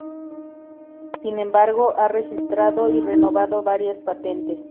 Sin embargo, ha registrado y renovado varias patentes.